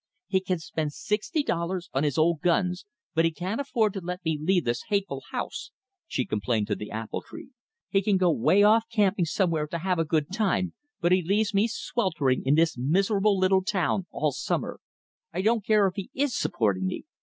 "He can spend sixty dollars on his old guns; but he can't afford to let me leave this hateful house," she complained to the apple tree. "He can go 'way off camping somewhere to have a good time, but he leaves me sweltering in this miserable little town all summer. I don't care if he IS supporting me.